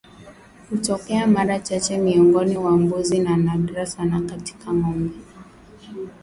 hutokea mara chache miongoni mwa mbuzi na nadra sana katika ngombe